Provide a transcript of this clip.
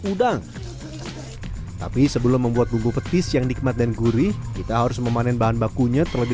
udang tapi sebelum membuat bumbu petis yang nikmat dan gurih kita harus memanen bahan bakunya terlebih